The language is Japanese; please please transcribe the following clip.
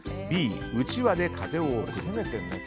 Ｂ、うちわで風を送る。